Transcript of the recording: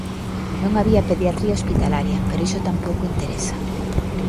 Non había pediatría hospitalaria, pero iso tampouco interesa.